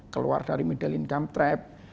keluar dari middle income trap